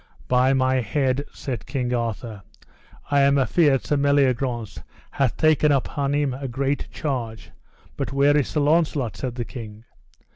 By my head, said King Arthur, I am afeard Sir Meliagrance hath taken upon him a great charge; but where is Sir Launcelot? said the king.